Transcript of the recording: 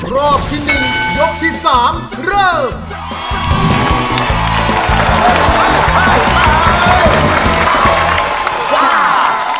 รอบที่๑ยกที่สามเริ่ม